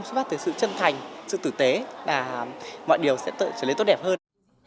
xuất phát từ sự chân thành sự tử tế là mọi điều sẽ trở nên tốt đẹp hơn